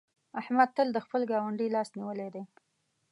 احمد تل د خپل ګاونډي لاس نيولی دی.